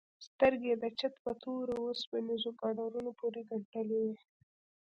سترگې يې د چت په تورو وسپنيزو ګاډرونو پورې گنډلې وې.